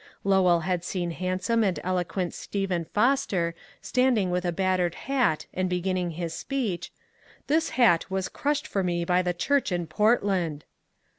Lowell had seen handsome and eloquent Stephen Foster standing with a battered hat and beginning his speech, " This hat was crushed for me by the church in Portland!"